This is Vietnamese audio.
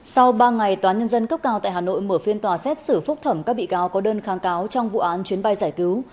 sau ba ngày tòa nhân dân cấp cao tại hà nội mở phiên tòa xét xử phúc thẩm các bị cáo có đơn kháng cáo trong vụ án chuyến bay giải cứu